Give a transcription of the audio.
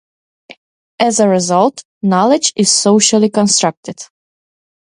As a result, knowledge is socially constructed.